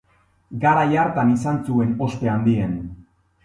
Garai hartan izan zuen ospe handien.